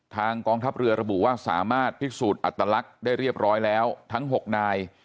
กองทัพเรือระบุว่าสามารถพิสูจน์อัตลักษณ์ได้เรียบร้อยแล้วทั้ง๖นาย